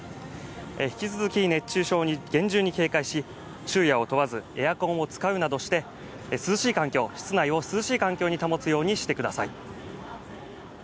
引き続き熱中症に厳重に警戒し、昼夜を問わず、エアコンを使うなどして室内を涼しい環境に保つようにしてください。